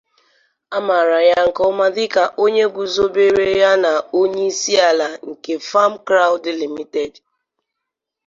A maara ya nke ọma dịka onye guzobere yana onye isi ala nke Farmcrowdy Limited.